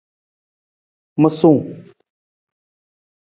Musung.